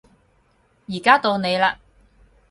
而家到你嘞